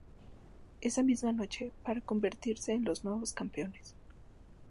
Esa misma noche para convertirse en los nuevos campeones.